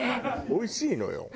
おいしいのよ。